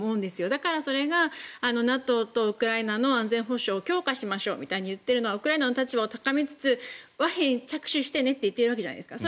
だから、それがＮＡＴＯとウクライナの安全保障を強化しましょうと言っているのはウクライナの立場を高めつつ和平に着手してねって言ってるわけじゃないですか。